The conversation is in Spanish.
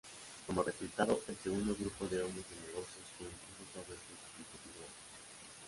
Como resultado, el segundo grupo de hombres de negocios se impuso sobre sus competidores.